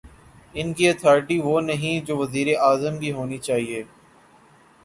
ان کی اتھارٹی وہ نہیں جو وزیر اعظم کی ہونی چاہیے۔